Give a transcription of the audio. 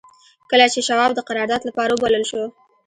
کله چې شواب د قرارداد لپاره وبلل شو.